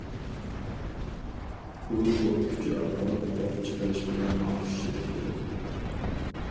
ئۇ ئوت كۈچى ئارقىلىق توك چىقىرىش بىلەن ئوخشىشىپ كېتىدۇ.